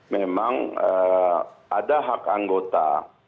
memang ada hak anggota